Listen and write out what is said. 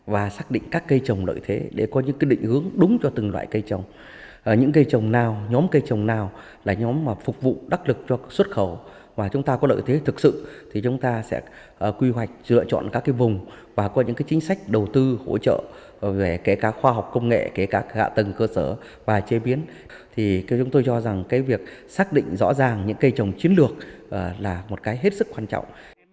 và chế biến thì chúng tôi cho rằng cái việc xác định rõ ràng những cây trồng chiến được là một cái hết sức quan trọng